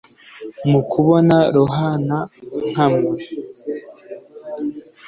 mukubona ruhana-nkamwa